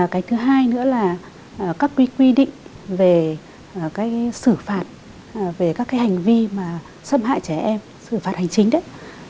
cái thứ hai nữa là các quy định về cái xử phạt về các cái hành vi mà xâm hại trẻ em xử phạt hành chính đấy